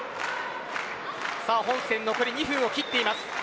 本戦残り２分を切っています。